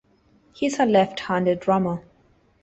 He is a left-handed drummer.